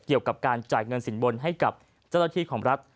เกี่ยวกับการจ่ายเงินสินบนให้กับเจ้าหน้าที่ของรัฐ